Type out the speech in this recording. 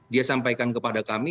dia sampaikan kepada kami